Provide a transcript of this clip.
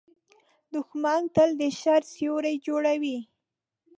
دښمن تل د شر سیوری جوړوي